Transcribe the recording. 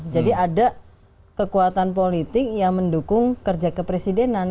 jadi ada kekuatan politik yang mendukung kerja kepresidenan